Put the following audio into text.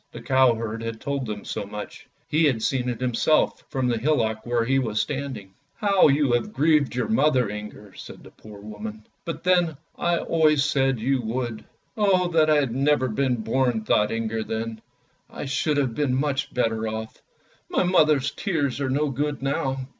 The cow herd had told them so much; ho had seen it himself from the hillock where he was standing. " How you have grieved your mother, Inger," said the poor woman. " But then I always said you would! " "Oh, that I had never been born!" thought Inger then. " I should have been much better off. My mother's tears are no good now."